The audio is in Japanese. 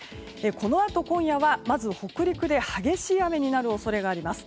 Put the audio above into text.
このあと、今夜はまず北陸で激しい雨になる恐れがあります。